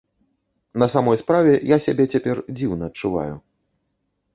На самой справе, я сябе цяпер дзіўна адчуваю.